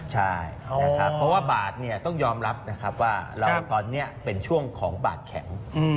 ใช่นะครับเพราะว่าบาทต้องยอมรับนะครับว่าตอนนี้เป็นช่วงของบาทแข็ง